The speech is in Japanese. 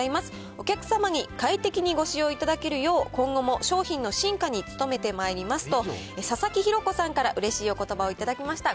お客様に快適にご使用いただけるよう、今後も商品の進化に努めてまいりますと、佐々木裕子さんからうれしいおことばを頂きました。